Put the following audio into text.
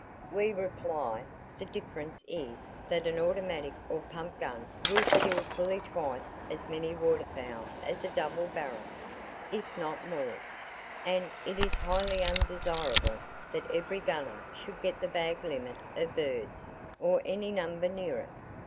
We reply, "The difference is that an automatic or pump gun will kill fully twice as many waterfowl as a double barrel, if not more; and it is highly undesirable that every gunner should get the bag limit of [Page 148] birds, or any number near it!